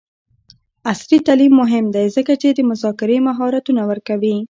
عصري تعلیم مهم دی ځکه چې د مذاکرې مهارتونه ورکوي.